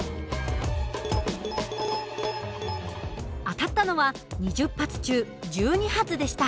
当たったのは２０発中１２発でした。